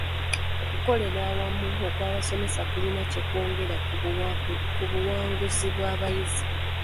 Okukolera awamu okw'abasomesa kulina kye kwongera ku buwanguzi bw'abayizi.